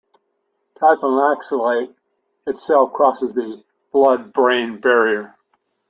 Diphenoxylate itself crosses the blood-brain barrier.